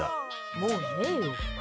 もう、ねえよ。